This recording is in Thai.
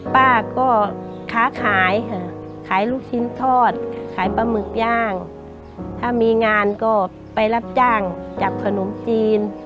ป้าก็ค้าขายค่ะขายลูกชิ้นทอดขายปลาหมึกย่างถ้ามีงานก็ไปรับจ้างจับขนมจีน